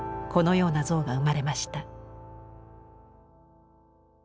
このような像が生まれました。